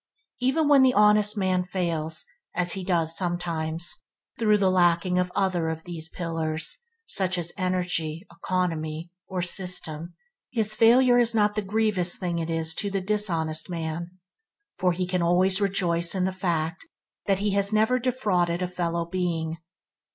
Even when the honest man fails – as he does sometimes, through lacking other of these pillars, such as energy, economy, or system his failure is not the grievous thing it is to the dishonest man, for he can always rejoice in the fact that he has never defrauded a fellow being.